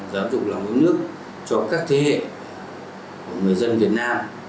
giáo dục lòng nước cho các thế hệ của người dân việt nam